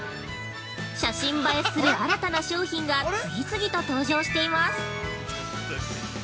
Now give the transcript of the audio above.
写真映えする新たな商品が次々と登場しています。